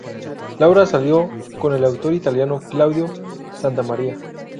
Laura salió con el actor italiano Claudio Santamaria.